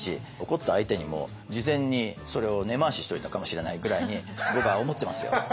怒った相手にも事前にそれを根回ししといたかもしれないぐらいに僕は思ってますよ。